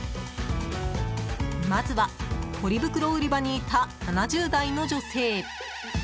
まずは、ポリ袋売り場にいた７０代の女性。